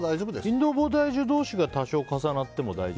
インドボダイジュ同士が多少重なっても大丈夫？